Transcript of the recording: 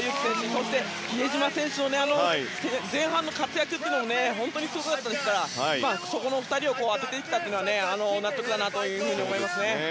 そして、比江島選手の前半の活躍は本当にすごかったですからその２人を当ててきたというのは納得だなと思いますね。